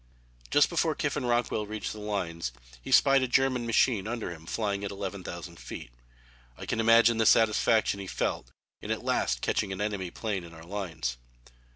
Just before Kiffin Rockwell reached the lines he spied a German machine under him flying at 11,000 feet. I can imagine the satisfaction he felt in at last catching an enemy plane in our lines.